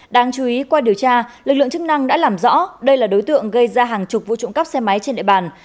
đáng chú ý qua điều tra lực lượng chức năng đã làm rõ đây là đối tượng gây ra hàng chục vũ trụng cấp xe máy trên địa bàn